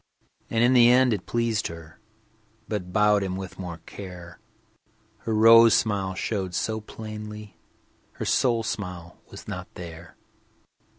And in the end it pleased her, But bowed him more with care. Her rose smile showed so plainly, Her soul smile was not there.